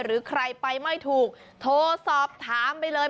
หรือใครไปไม่ถูกโทรสอบถามไปเลย